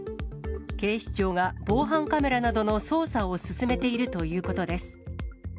警視庁が防犯カメラなどの捜査を進めているということです。